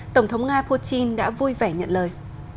tổng thống nga putin đã vui vẻ nhận lời